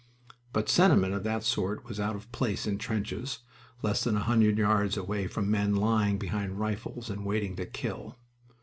But sentiment of that sort was out of place in trenches less than a hundred yards away from men lying behind rifles and waiting to kill.